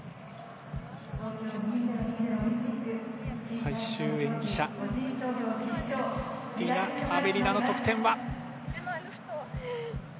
最終演技者、ディナ・アベリナの得点は。